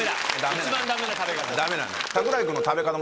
一番ダメな食べ方だ。